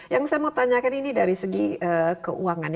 yang saya mau tanyakan ini dari segi keuangan